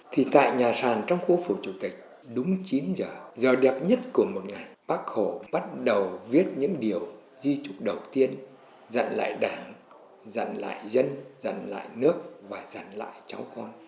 thì tại nhà sàn trong khu phủ chủ tịch đúng chín giờ giờ đẹp nhất của một ngày bác hồ bắt đầu viết những điều di trụ đầu tiên dặn lại đảng dặn lại dân dặn lại nước và dặn lại cháu con